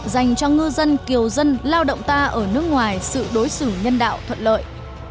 dành cho ngư dân kiều dân lao động ta ở nước ngoài sự đối xử nhân đạo thuận lợi